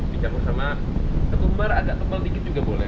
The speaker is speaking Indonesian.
dicampur sama ketumbar agak tebal dikit juga boleh